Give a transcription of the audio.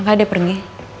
maka dia pergi